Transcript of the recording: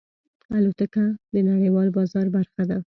الوتکه د نړیوال بازار برخه ده.